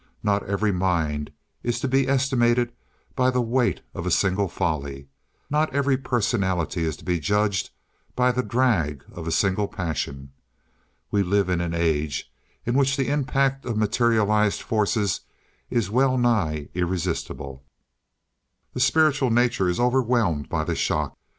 Not every mind is to be estimated by the weight of a single folly; not every personality is to be judged by the drag of a single passion. We live in an age in which the impact of materialized forces is well nigh irresistible; the spiritual nature is overwhelmed by the shock.